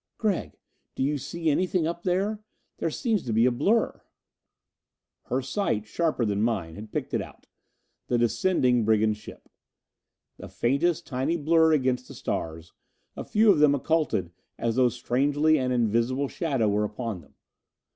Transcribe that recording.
"Gregg, do you see anything up there? There seems to be a blur." Her sight, sharper than mine, had picked it out. The descending brigand ship! A faintest tiny blur against the stars, a few of them occulted as though strangely an invisible shadow were upon them.